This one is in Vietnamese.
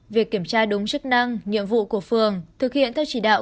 việc kiểm tra đúng chức năng nhiệm vụ của phường thực hiện theo chỉ đạo